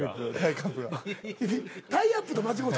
君「タイアップ」と間違うた？